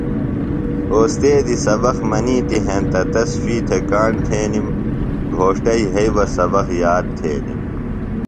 اوستیذیۡ سبق منِیتی ہینتہ تس شوئی تھےۡ کاݨ تھینِم۔ گھوݜٹہ یھئی بہ سبق یاد تھینِم۔